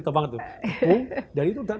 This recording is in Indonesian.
tepung aku baru cerita banget tuh